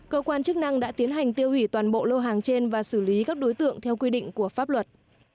cơ quan chức năng đã tiến hành tiêu hủy toàn bộ lô hàng trên và xử lý các đối tượng theo quy định của pháp luật